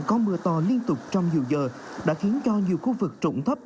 có mưa to liên tục trong nhiều giờ đã khiến cho nhiều khu vực trụng thấp